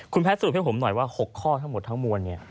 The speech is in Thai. คุณแพทย์สรุปให้ผมหน่อยว่า๖ข้อทั้งหมดทั้งมวลเนี่ย